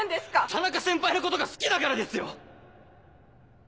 田中先輩のことが好きだからですよ！